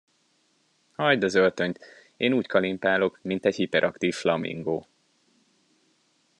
Hagyd az öltönyt, én úgy kalimpálok, mint egy hiperaktív flamingó.